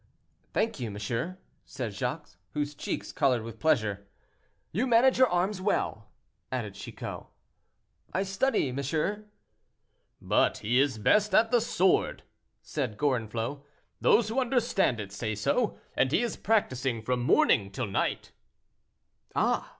"Thank you, monsieur," said Jacques, whose cheeks colored with pleasure. "You manage your arms well," added Chicot. "I study, monsieur." "But he is best at the sword," said Gorenflot; "those who understand it, say so, and he is practicing from morning till night." "Ah!